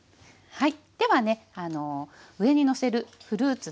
はい。